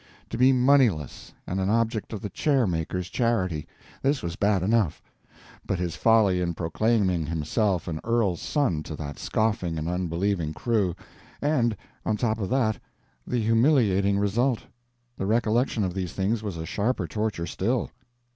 To be moneyless and an object of the chairmaker's charity—this was bad enough, but his folly in proclaiming himself an earl's son to that scoffing and unbelieving crew, and, on top of that, the humiliating result—the recollection of these things was a sharper torture still.